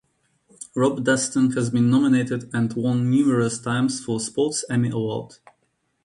Rob Dustin has been nominated and won numerous times for Sports Emmy Award.